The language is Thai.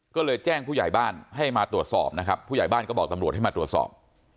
ก็เลยแจ้งผู้ใหญ่บ้านให้มาตรวจสอบนะครับผู้ใหญ่บ้านก็บอกตำรวจให้มาตรวจสอบ